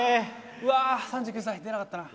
うわ３９歳出なかったな。